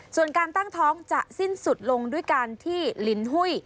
ส่วนการตั้งท้องจะสิ้นสุดลงด้วยการที่ลินหุ้ย